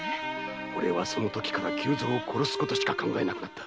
おれはそのときから久蔵を殺すことしか考えなくなった。